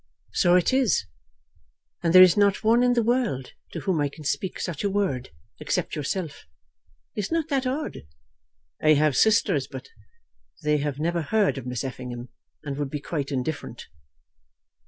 "So it is; and there is not one in the world to whom I can speak such a word, except yourself. Is not that odd? I have sisters, but they have never heard of Miss Effingham, and would be quite indifferent."